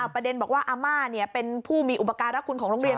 ประเด็นบอกว่าอาม่าเป็นผู้มีอุปการรักคุณของโรงเรียน